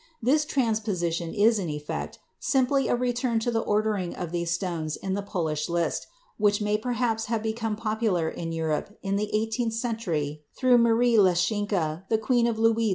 This transposition is, in effect, simply a return to the ordering of these stones in the Polish list, which may perhaps have become popular in Europe in the eighteenth century through Marie Leczinska, the queen of Louis XV.